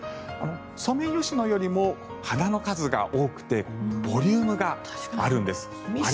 ソメイヨシノよりも花の数が多くてボリュームがあるんです。